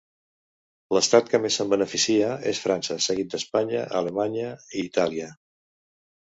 L'estat que més se'n beneficia és França, seguit d'Espanya, Alemanya i Itàlia.